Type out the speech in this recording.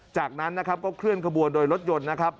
จากนั้นนะครับก็เคลื่อนขบวนโดยรถยนต์นะครับ